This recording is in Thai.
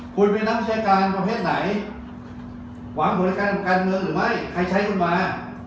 คุยไปนำแชการประเภทไหนหวังบริการกำกัดเมืองหรือไม่ใครใช้คุณมา